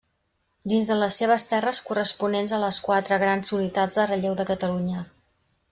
Dins de les seves terres corresponents a les quatre grans unitats de relleu de Catalunya.